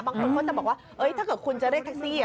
บางคนเขาจะบอกว่าถ้าเกิดคุณจะเรียกแท็กซี่